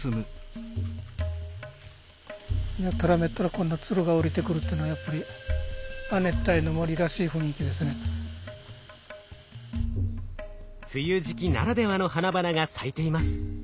やたらめったらこんなツルが下りてくるってのはやっぱり梅雨時期ならではの花々が咲いています。